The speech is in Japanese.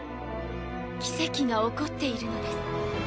奇跡が起こっているのです。